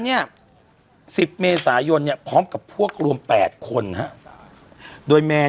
เนี่ย๑๐เมษายนเนี่ยพร้อมกับพวกรวม๘คนฮะโดยแมน